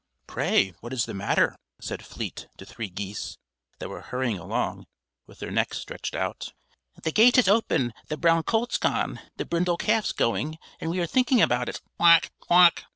"Pray, what is the matter?" said Fleet to three geese, that were hurrying along, with their necks stretched out. "The gate is open, the brown colt's gone, the brindle calf's going and we are thinking about it; quawk! quawk!"